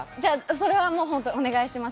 それは本当にお願いします。